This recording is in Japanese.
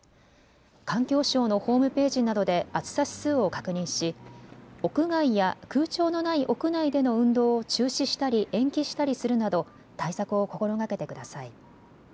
環境省のホームページなどで暑さ指数を確認し、屋外や空調のない屋内での運動を中止したり延期したりするなど対策を心がけてください。